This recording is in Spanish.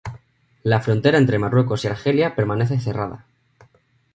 La frontera entre Marruecos y Argelia permanece cerrada.